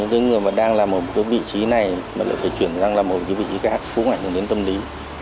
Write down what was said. cứ sao tìm nó cũng ảnh hưởng đến tâm lý